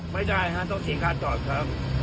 ไม่ได้ค่ะต้องกินค้าจอดค่ะ